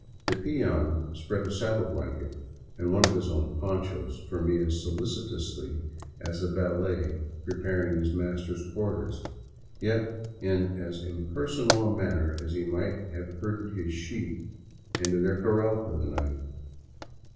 The peon spread a saddle blanket and one of his own ponchos for me as solicitously as a valet pre paring his master's quarters; yet in as impersonal a manner as he might have herded his sheep into their corral for the night.